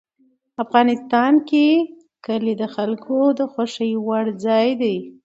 افغانستان کې کلي د خلکو خوښې وړ ځای دی.